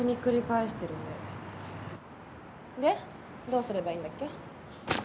どうすればいいんだっけ？